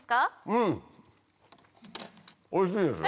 おいしいですよ。